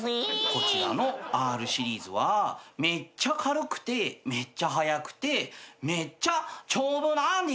こちらのＲシリーズはめっちゃ軽くてめっちゃ速くてめっちゃ丈夫なんですよ。